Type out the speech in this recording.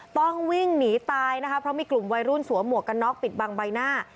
ต้องวิ่งหนีตายนะคะเพราะมีกลุ่มวัยรุ่นสวมหวกกันน็อกปิดบังใบหน้า